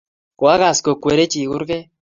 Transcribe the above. koakas kokwere chi kurket